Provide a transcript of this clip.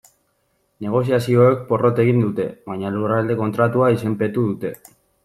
Negoziazioek porrot egin dute, baina Lurralde Kontratua izenpetu dute.